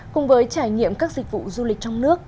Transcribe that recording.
cùng với trải nghiệm các dịch vụ du lịch trong nước